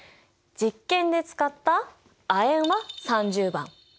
実験で使った亜鉛は３０番。